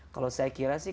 kalau saya kira sih